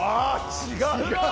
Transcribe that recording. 違う！